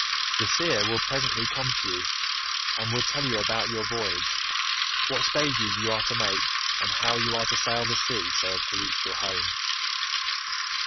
The seer will presently come to you, and will tell you about your voyage—what stages you are to make, and how you are to sail the sea so as to reach your home.